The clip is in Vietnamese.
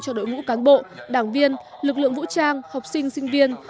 cho đội ngũ cán bộ đảng viên lực lượng vũ trang học sinh sinh viên